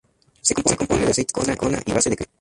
Se compone de aceite de silicona y base de crema.